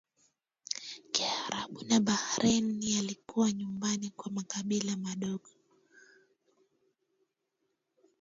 Kiarabu na Bahrain yalikuwa nyumbani kwa makabila madogo